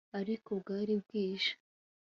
ariko bwari bwije